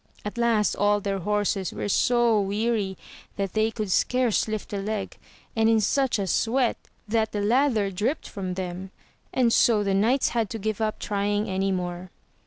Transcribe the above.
At last all their horses were so weary that they could scarce Uft a leg, and in such a sweat that the lather dripped from them, and so the knights had to give up trying any more.